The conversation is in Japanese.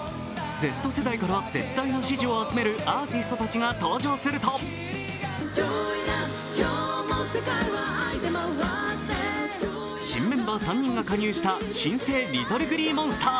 Ｚ世代から絶大な支持を集めるアーティストたちが登場すると新メンバー３人が加入した新生ＬｉｔｔｌｅＧｌｅｅＭｏｎｓｔｅｒ。